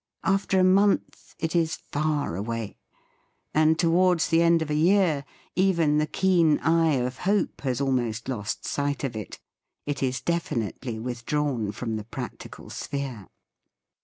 After a month it is far away; and towards the end of a year even the keen eye of hope has al most lost sight of it; it is definitely withdrawn from the practical sphere.